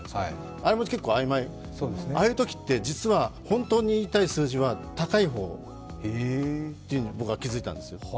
あれも結構曖昧、ああいうときって、実は本当に言いたい数字は高い方って、僕は気がついたんですよ。